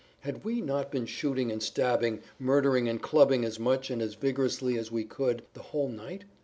Had we not been shooting and stabbing, murdering and clubbing as much and as vigorously as we could the whole night?